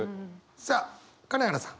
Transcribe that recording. さあ金原さん。